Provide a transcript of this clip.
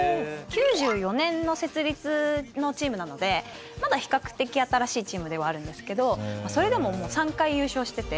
９４年の設立のチームなのでまだ比較的新しいチームではあるんですけどそれでももう３回優勝していて。